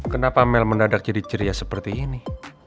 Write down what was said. kenapa mel mendadak ciri ciri seperti ini